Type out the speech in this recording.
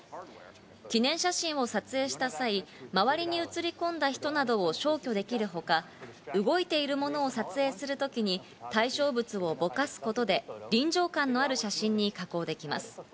記念写真を撮影した際、周りに映り込んだ人などを消去できるほか、動いているものを撮影するときに対象物をぼかすことで臨場感のある写真に加工できます。